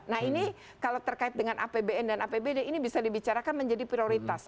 nah ini kalau terkait dengan apbn dan apbd ini bisa dibicarakan menjadi prioritas